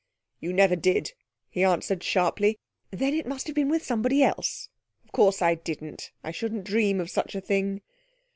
'You never did,' he answered sharply. 'Then it must have been with somebody else. Of course I didn't. I shouldn't dream of such a thing.'